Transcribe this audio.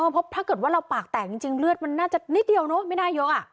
ถ้าเกิดว่าเราปากแตกจริงเลือดมันน่าจะนิดเดียวเนาะ